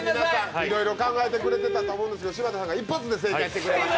いろいろ考えてくれてたと思うんですけど、柴田さんが一発で正解してくれました。